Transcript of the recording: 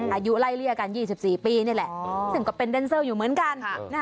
อายุไล่เลี่ยกัน๒๔ปีนี่แหละซึ่งก็เป็นแดนเซอร์อยู่เหมือนกัน